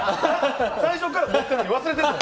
最初から持ってたのに忘れてた。